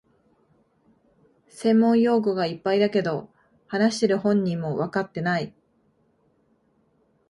専門用語がいっぱいだけど、話してる本人もわかってない